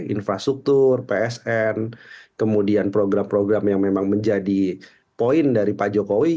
infrastruktur psn kemudian program program yang memang menjadi poin dari pak jokowi